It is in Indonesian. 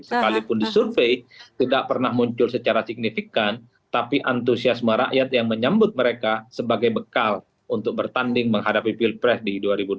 sekalipun disurvey tidak pernah muncul secara signifikan tapi antusiasme rakyat yang menyambut mereka sebagai bekal untuk bertanding menghadapi pilpres di dua ribu dua puluh